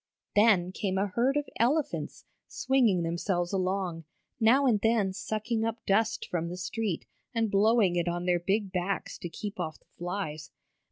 Then came a herd of elephants, swinging themselves along, now and then sucking up dust from the street and blowing it on their big backs to keep off the flies.